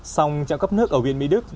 song trạng cấp nước ở huyện mỹ đức